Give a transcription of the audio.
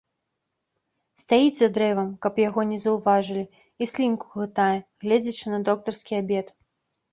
Стаіць за дрэвам, каб яго не заўважылі, і слінку глытае, гледзячы на доктарскі абед.